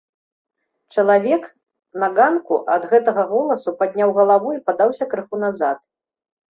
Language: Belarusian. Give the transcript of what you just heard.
Чалавек на ганку ад гэтага голасу падняў галаву і падаўся крыху назад.